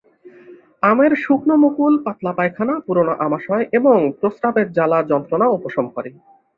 আমের শুকনো মুকুল পাতলা পায়খানা, পুরনো অমাশয় এবং প্রস্রাবের জ্বালা-যন্ত্রণা উপশম করে।